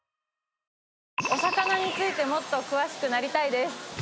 お魚についてもっと詳しくなりたいです。